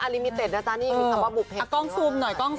นี่มีคำว่าบุเภสสันนิวาส